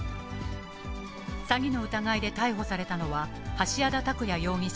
詐欺の疑いで逮捕されたのは、橋谷田拓也容疑者